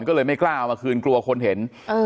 ก็เลยไม่กล้าเอามาคืนกลัวคนเห็น